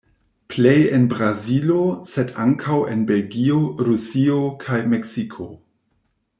Plej en Brazilo, sed ankaŭ en Belgio, Rusio kaj Meksiko.